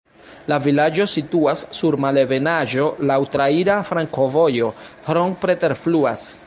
La vilaĝo situas sur malebenaĵo, laŭ traira flankovojo, Hron preterfluas.